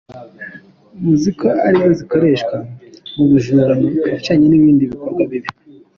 Muzi ko ari zo zikoreshwa mu bujura, mu bwicanyi n’ibindi bikorwa bibi.